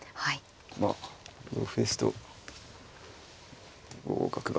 まあ同歩ですと５五角が。